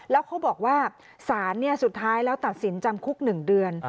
แล้วเขาบอกว่าสารสุดท้ายแล้วตัดสินจำคุก๑เดือน